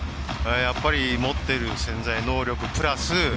やっぱり持っている潜在能力プラス